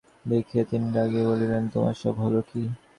মেয়েরা সকলেই চুপ করিয়া আছে দেখিয়া তিনি রাগিয়া বলিলেন, তোদের সব হল কী?